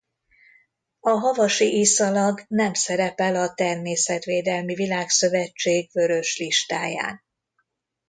A havasi iszalag nem szerepel a Természetvédelmi Világszövetség Vörös listáján.